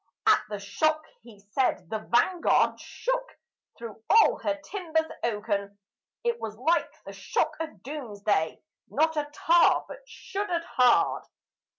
At the shock, he said, the Vanguard shook through all her timbers oaken; It was like the shock of Doomsday, not a tar but shuddered hard.